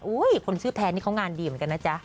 คนชื่อแพนนี่เขางานดีเหมือนกันนะจ๊ะ